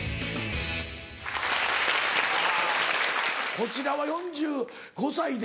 こちらは４５歳で？